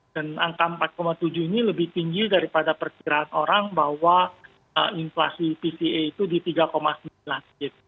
dan angka empat tujuh ini lebih tinggi daripada perkiraan orang bahwa inflasi pca itu di tiga sembilan gitu